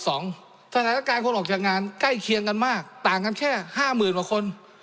สถานการณ์คนออกจากงานใกล้เคียงกันมากต่างกันแค่๕๐๐๐กว่าคน